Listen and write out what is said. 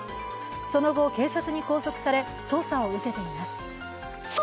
その後、警察に拘束され捜査を受けています。